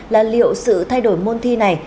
là liệu sự thay đổi môn thi này